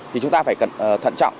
thì chúng ta phải cẩn thận trọng